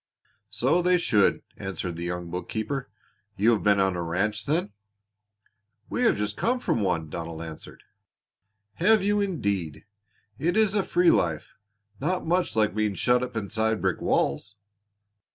"So they should!" answered the young bookkeeper. "You have been on a ranch then?" "We have just come from one," Donald answered. "Have you, indeed! It is a free life not much like being shut up inside brick walls."